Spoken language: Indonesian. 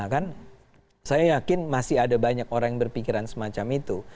kan saya yakin masih ada banyak orang yang berpikiran semacam itu